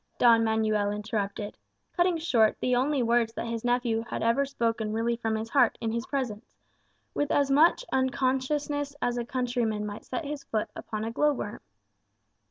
Don Manuel interrupted, cutting short the only words that his nephew had ever spoken really from his heart in his presence, with as much unconsciousness as a countryman might set his foot on a glow worm.